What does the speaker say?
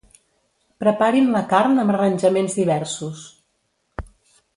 Preparin la carn amb arranjaments diversos.